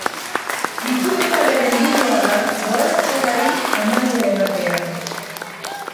Gipuzkoarren helburua da bolada txarrari amaiera ematea.